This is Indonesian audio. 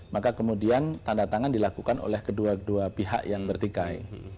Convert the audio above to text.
maka kemudian tanda tangan dilakukan oleh kedua dua pihak yang bertikai